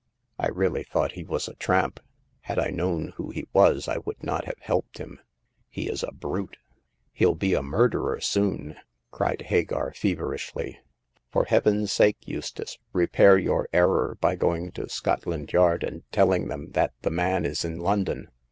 *' I really thought he was a tramp ; had I known who he was I would not have helped him. He is a brute !"*' He'll be a murderer soon !" cried Hagar, feverishly. " For heaven's sake, Eustace, repair your error by going to Scotland Yard and telling them that the man is in London